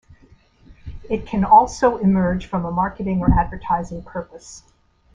It can also emerge from a marketing or advertising purpose.